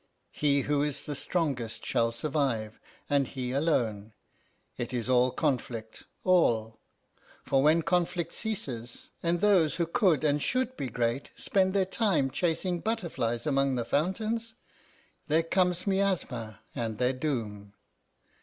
He who is the strongest shall survive, and he alone. It is all conflict all. For when conflict ceases, and those who could and should be great spend their time chasing butterflies among the fountains, there comes miasma and their doom.